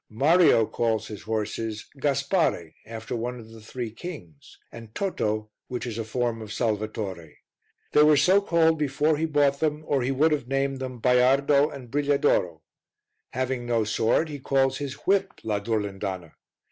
Mario calls his horses Gaspare, after one of the Three Kings, and Toto, which is a form of Salvatore. They were so called before he bought them, or he would have named them Baiardo and Brigliadoro. Having no sword, he calls his whip la Durlindana.